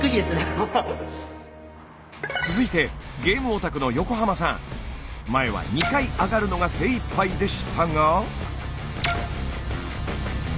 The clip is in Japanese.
続いてゲームオタクの前は２回上がるのが精いっぱいでしたが。